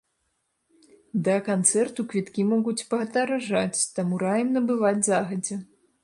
Да канцэрту квіткі могуць падаражаць, таму раім набываць загадзя!